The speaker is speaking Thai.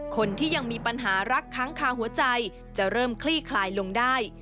คนที่ยังมีปัญหารักค้างคาหัวใจจะเริ่มคลี่คลายลงได้